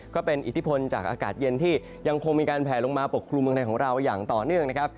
ก็เป็นอิทธิพลจากอากาศเย็นที่ยังคงมีการแผลลงมาปกครุมเมืองไทยของเราอย่างต่อเนื่องนะครับ